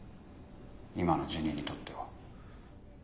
今のジュニにとっては。